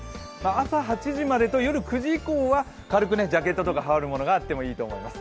朝８時までと夜９時以降は軽くジャケットとか羽織るものがあってもいいと思います。